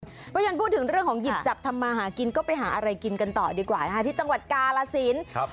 เพราะฉะนั้นพูดถึงเรื่องของหยิบจับทำมาหากินก็ไปหาอะไรกินกันต่อดีกว่าที่จังหวัดกาลสิน